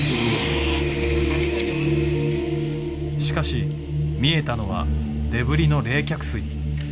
しかし見えたのはデブリの冷却水。